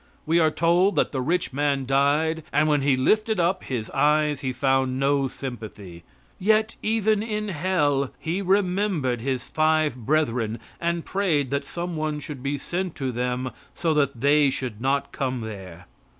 We are told that the rich man died, and when he lifted up his eyes he found no sympathy, yet even in hell he remembered his five brethren, and prayed that some one should be sent to them so that they should not come there.